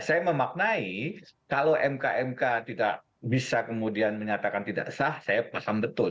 saya memaknai kalau mk mk tidak bisa kemudian menyatakan tidak sah saya paham betul